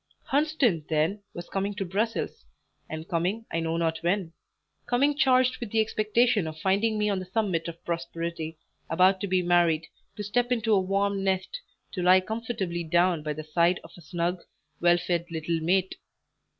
Hunsden, then, was coming to Brussels, and coming I knew not when; coming charged with the expectation of finding me on the summit of prosperity, about to be married, to step into a warm nest, to lie comfortably down by the side of a snug, well fed little mate.